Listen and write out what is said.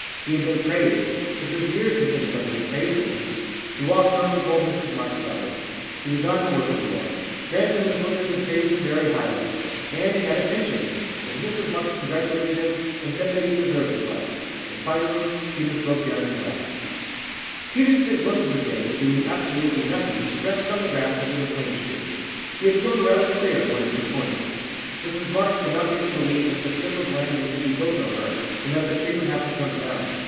He had been praised it was years since anybody had praised him. He walked home and told Mrs Marks about it. He was not to work any more. Grantham & Flynders had praised him very highly. And he had a pension. And Mrs Marks congratulated him, and said that he deserved his luck. And finally Peters broke down and wept. Peters spent most of his days, doing absolutely nothing, stretched on the grass under the plane tree. He had grown rather queer in one or two points. Mrs Marks could not make him believe that the strip of land was to be built over, and that the tree would have to come down.